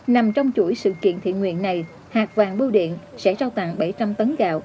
nằm trong chuỗi sự kiện thiện nguyện này hạt vàng bưu điện sẽ trao tặng bảy trăm linh tấn gạo